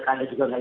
kan ada juga